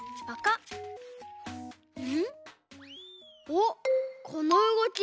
おっこのうごき